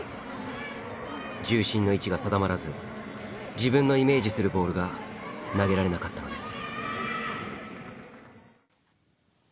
重心の位置が定まらず自分のイメージするボールが投げられなかったのです。